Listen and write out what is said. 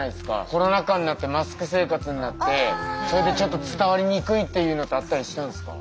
コロナ禍になってマスク生活になってそれでちょっと伝わりにくいっていうのってあったりしたんですか？